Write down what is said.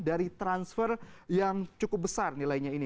dari transfer yang cukup besar nilainya ini